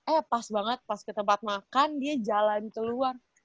eh pas banget pas ke tempat makan dia jalan keluar